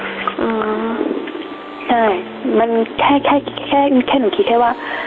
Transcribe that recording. อืมใช่มันแค่แค่แค่แค่หนูคิดแค่ว่า